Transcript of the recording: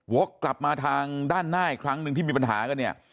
กลับมาทางด้านหน้าอีกครั้งหนึ่งที่มีปัญหากันเนี่ย